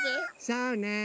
そうね